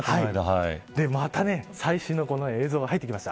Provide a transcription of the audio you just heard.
また最新の映像が入ってきました。